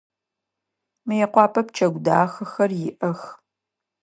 Мыекъуапэ пчэгу дахэхэр иӏэх.